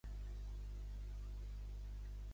O és més car comprar per l'aplicació?